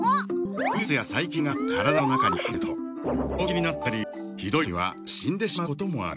ウイルスや細菌が体の中に入ると病気になったりひどいときには死んでしまうこともある。